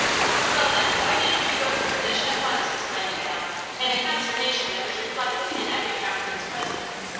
"Well, then, why didn't you go to perdition at once?" exclaimed Hal, in a consternation that was reflected in every countenance present.